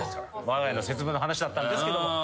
わが家の節分の話だったんですけども。